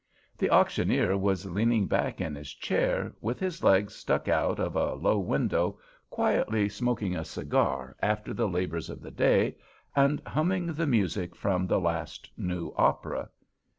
The auctioneer was leaning back in his chair, with his legs stuck out of a low window, quietly smoking a cigar after the labors of the day, and humming the music from the last new opera.